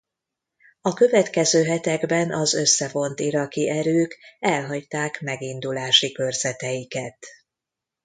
A következő hetekben az összevont iraki erők elhagyták megindulási körzeteiket.